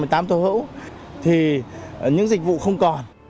là một mươi tám thô hữu thì những dịch vụ không còn